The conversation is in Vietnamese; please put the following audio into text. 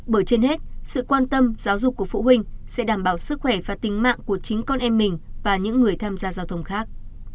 bởi trên hết sự quan tâm giáo dục của phụ huynh sẽ đảm bảo sức khỏe và tính mạng của chính con em mình và những người tham gia giao thông khác